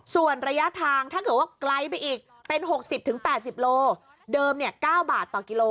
ส่วนระยะทางถ้าเกิดว่าไกลไปอีกเป็น๖๐๘๐โลเดิม๙บาทต่อกิโล